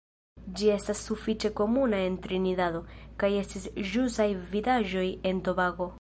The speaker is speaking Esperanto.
Ĝi estas sufiĉe komuna en Trinidado, kaj estis ĵusaj vidaĵoj en Tobago.